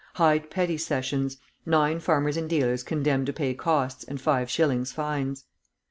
Hyde Petty Sessions. Nine farmers and dealers condemned to pay costs and five shillings fines.